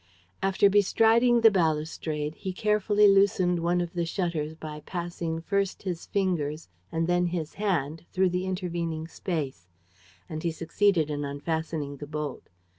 After bestriding the balustrade, he carefully loosened one of the shutters by passing first his fingers and then his hand through the intervening space; and he succeeded in unfastening the bolt.